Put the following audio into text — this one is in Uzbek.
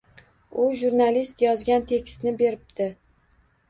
U jurnalist yozgan tekstni beribdi.